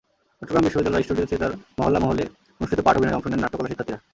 চট্টগ্রাম বিশ্ববিদ্যালয়ের studio theatre মহলা-মহলে অনুষ্ঠিত পাঠ-অভিনয়ে অংশ নেন নাট্যকলার শিক্ষার্থীরা।